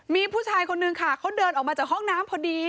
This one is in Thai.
มีผู้ชายคนนึงค่ะเขาเดินออกมาจากห้องน้ำพอดี